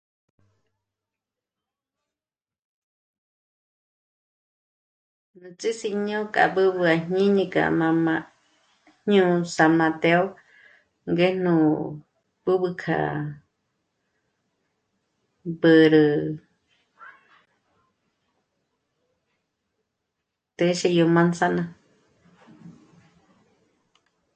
Ndízi jñônk'a b'ǚb'ü àjñíni kja mā̀'mā̀ jñō̌'ō San Mateo ngé nú b'üb'ü kja mbǚrü téxe yó manzana